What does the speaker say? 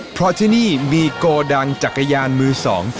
เพราะที่นี่มีโกดังจักรยานมือสอง